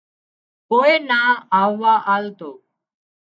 ڪوئي نا آووا آلتو